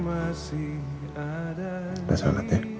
udah salat ya